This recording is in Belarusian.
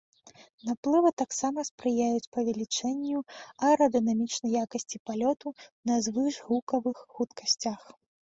Наплывы таксама спрыяюць павелічэнню аэрадынамічнай якасці палёту на звышгукавых хуткасцях.